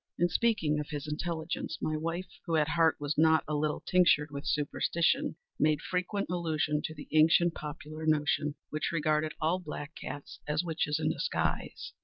In speaking of his intelligence, my wife, who at heart was not a little tinctured with superstition, made frequent allusion to the ancient popular notion, which regarded all black cats as witches in disguise.